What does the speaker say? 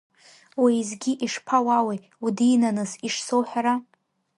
Уеизгьы ишԥауауи, удинаныс, ишсоуҳәара?